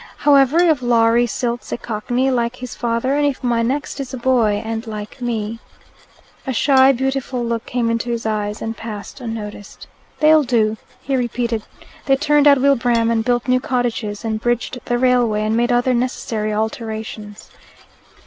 "However, if Lawrie Silt's a Cockney like his father, and if my next is a boy and like me " A shy beautiful look came into his eyes, and passed unnoticed. "They'll do," he repeated. "They turned out Wilbraham and built new cottages, and bridged the railway, and made other necessary alterations."